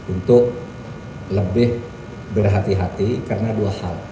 untuk lebih berhati hati karena dua hal